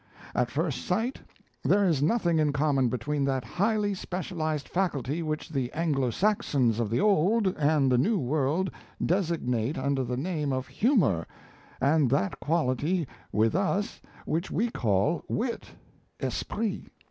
At first sight, there is nothing in common between that highly specialized faculty which the Anglo Saxons of the old and the new world designate under the name of humour, and that quality with us which we call wit (esprit).